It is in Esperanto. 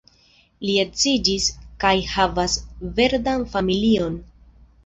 Li edziĝis kaj havas verdan familion.